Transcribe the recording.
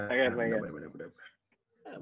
ya enggak enggak enggak enggak